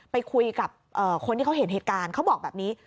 ไปคุยกับคนที่เขาเห็นเหตุการณ์เขาบอกแบบนี้